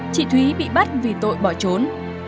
chị thúy bị bắt vì tội bỏ trốn